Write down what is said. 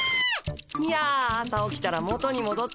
いや朝起きたら元にもどってました。